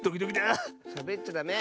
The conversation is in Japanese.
しゃべっちゃダメ！